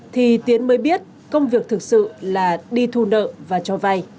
thì tiến mới biết công việc thực sự là đi thu nợ